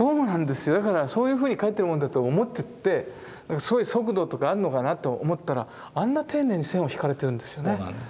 だからそういうふうに描いてるものだと思っててすごい速度とかあるのかなと思ったらあんな丁寧に線を引かれてるんですよね。